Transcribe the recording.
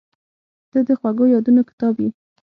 • ته د خوږو یادونو کتاب یې.